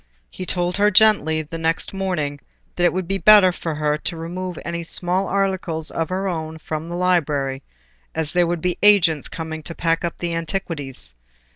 He told her gently, the next morning, that it would be better for her to remove any small articles of her own from the library, as there would be agents coming to pack up the antiquities.